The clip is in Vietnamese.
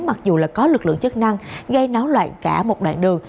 mặc dù có lực lượng chất năng gây náo loạn cả một đoạn đường